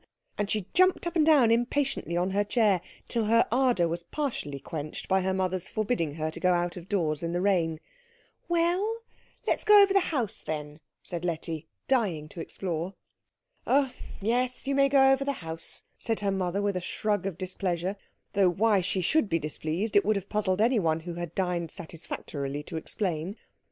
And she jumped up and down impatiently on her chair, till her ardour was partially quenched by her mother's forbidding her to go out of doors in the rain. "Well, let's go over the house, then," said Letty, dying to explore. "Oh, yes, you may go over the house," said her mother with a shrug of displeasure; though why she should be displeased it would have puzzled anyone who had dined satisfactorily to explain.